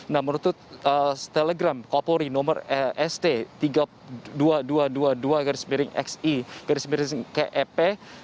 nah menurut telegram kapolri nomor st tiga puluh dua ribu dua ratus dua puluh dua xi kep dua ribu dua